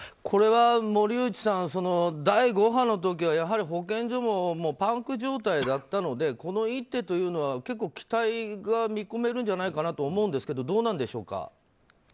これは森内さん、第５波の時はやはり保健所もパンク状態だったのでこの一手というのは期待が見込めるんじゃないかなと思うんですがどうなんでしょうか。